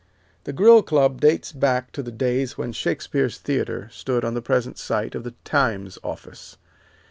The Grill Club dates back to the days when Shakespeare's Theatre stood on the present site of the "Times" office.